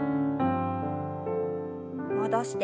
戻して。